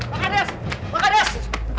pak kades pak kades